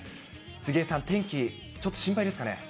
杉江さん、天気、ちょっと心配ですかね？